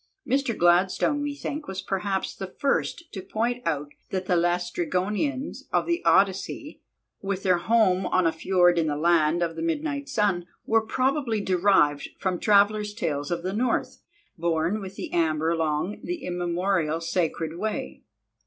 Mr. Gladstone, we think, was perhaps the first to point out that the Laestrygonians of the Odyssey, with their home on a fiord in the Land of the Midnight Sun, were probably derived from travellers' tales of the North, borne with the amber along the immemorial Sacred Way.